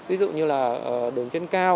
ví dụ như là đường trên cao